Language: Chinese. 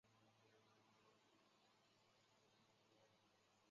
顺治十三年任青浦县知县。